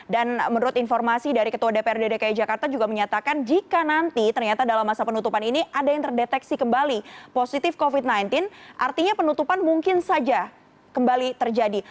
dan menurut informasi dari ketua dprd dki jakarta juga menyatakan jika nanti ternyata dalam masa penutupan ini ada yang terdeteksi kembali positif covid sembilan belas artinya penutupan mungkin saja kembali terjadi